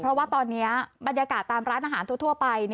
เพราะว่าตอนนี้บรรยากาศตามร้านอาหารทั่วไป